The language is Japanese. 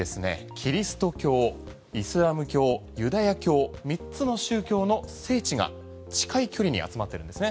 キリスト教イスラム教、ユダヤ教三つの宗教の聖地が近い距離に集まってるんですね。